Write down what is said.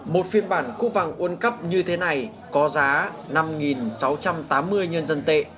một phiên bản cúp vàng quân cấp như thế này có giá năm sáu trăm tám mươi nhân dân tệ